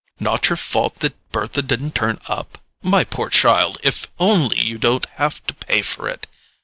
"Not your fault that Bertha didn't turn up? My poor child, if only you don't have to pay for it!"